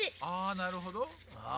ああなるほど。